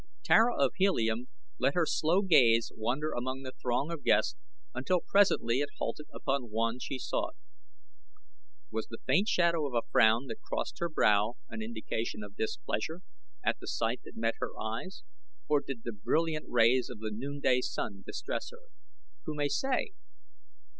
Tara of Helium let her slow gaze wander among the throng of guests until presently it halted upon one she sought. Was the faint shadow of a frown that crossed her brow an indication of displeasure at the sight that met her eyes, or did the brilliant rays of the noonday sun distress her? Who may say!